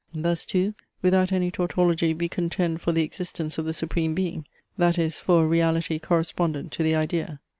Thus too, without any tautology we contend for the existence of the Supreme Being; that is, for a reality correspondent to the idea.